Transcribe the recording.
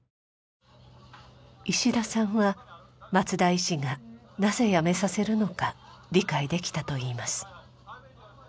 石田さんは松田医師がなぜやめさせるのか理解できたといいます。